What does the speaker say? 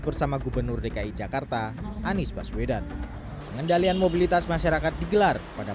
bersama gubernur dki jakarta anies baswedan pengendalian mobilitas masyarakat digelar pada